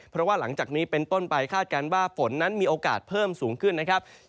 เพราะว่าหลังจากนี้เป็นต้นไปคาดการณ์ว่าฝนนั้นมีโอกาสเพิ่มสูงขึ้นนะครับ